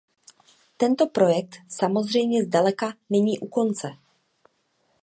Tento projekt samozřejmě zdaleka není u konce.